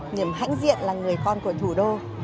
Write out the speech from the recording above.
niềm hãnh diện là người con của thủ đô